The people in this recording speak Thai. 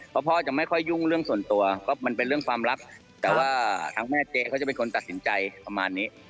เพราะพ่อจะไม่ค่อยยุ่งเรื่องส่วนตัวก็มันเป็นเรื่องความลับแต่ว่าทางแม่เจ๊เขาจะเป็นคนตัดสินใจประมาณนี้